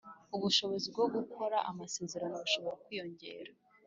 Ubushobozi bwo gukora amasezerano bushobora kwiyongera